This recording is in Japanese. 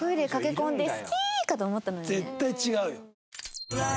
絶対違うよ。